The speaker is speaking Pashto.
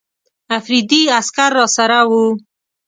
افریدي عسکر راسره ول.